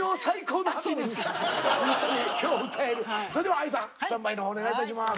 それではＡＩさんスタンバイのほうお願いいたします。